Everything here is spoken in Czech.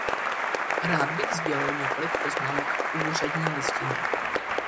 Rád bych sdělil několik poznámek k úřední listině.